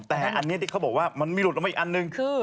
แต่อันนี้ที่เขาบอกว่ามันมีหลุดออกมาอีกอันหนึ่งคือ